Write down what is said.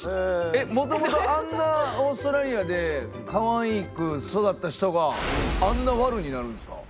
えっもともとあんなオーストラリアでかわいく育った人があんな悪になるんですか？